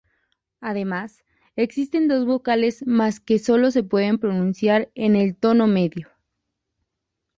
Además, existen dos vocales más que sólo se pueden pronunciar en el tono medio.